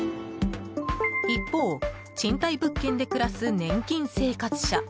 一方、賃貸物件で暮らす年金生活者。